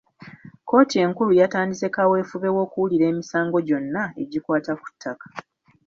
Kkooti enkulu yatandise kaweefube w’okuwulira emisango gyonna egikwata ku ttaka.